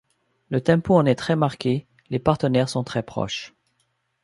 Le tempo en est très marqué, les partenaires sont très proches.